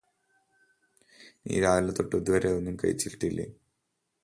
നീ രാവിലെതൊട്ട് ഇതുവരെ ഒന്നും കഴിച്ചിട്ടില്ലേ